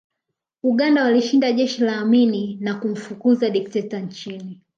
Uganda walishinda jeshi la Amin na kumfukuza dikteta nchini